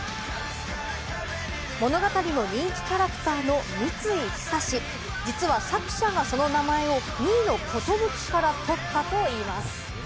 物語の人気キャラクターの三井寿、実は作者がその名前を三井の寿から取ったといいます。